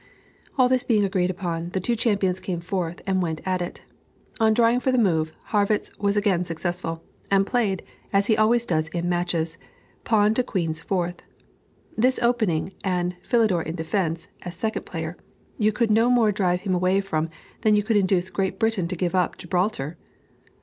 All this being agreed upon, the two champions came forth, and went at it. On drawing for the move, Harrwitz was again successful, and played, as he always does in matches, pawn to queen's fourth. This opening, and Philidor in defence, as second player, you could no more drive him away from, than you could induce Great Britain to give up Gibraltar.